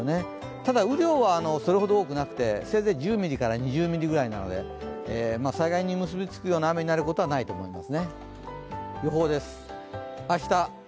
ただ雨量はそれほど多くなくて、せいぜい１０ミリから２０ミリぐらいなので災害に結びつくような雨になることはないと思います。